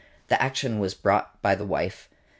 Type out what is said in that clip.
The action was brought by the wife .